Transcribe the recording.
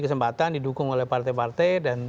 kesempatan didukung oleh partai partai dan